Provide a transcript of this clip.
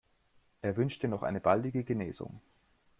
Er wünschte noch eine baldige Genesung.